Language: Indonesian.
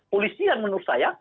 polisian menurut saya